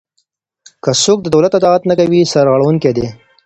که څوک د دولت اطاعت نه کوي سرغړونکی دی.